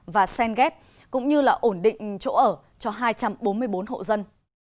và sen ghép cũng như là ổn định chỗ ở cho hai trăm bốn mươi bốn hộ dân